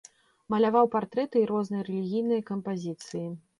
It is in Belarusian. Маляваў партрэты і розныя рэлігійныя кампазіцыі.